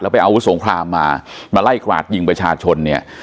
ไปอาวุธสงครามมามาไล่กราดยิงประชาชนเนี่ย